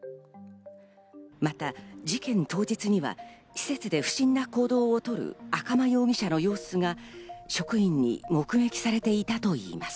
また事件当日には施設で不審な行動を取る赤間容疑者の姿が職員に目撃されていたといいます。